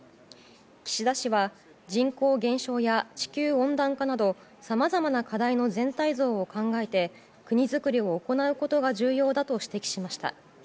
岸田氏は人口減少や地球温暖化などさまざまな課題の全体像を考えて国づくりを行うことが重要だと指摘しました。